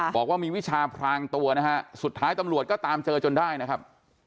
บอกว่ามีวิชาพรางตัวนะฮะสุดท้ายตำรวจก็ตามเจอจนได้นะครับ